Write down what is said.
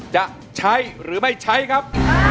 จะใช้หรือไม่ใช้ครับ